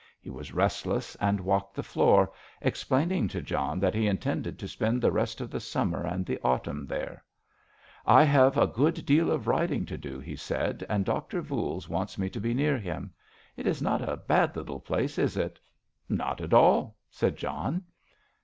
He was restless and walked the floor, explaining to John that he intended to spend the rest of the summer and the autumn there. "I have a good deal of writing to do," he said, "and Dr. Voules wants me to be near him. It's not a bad little place this, is it?" "Not at all," said John.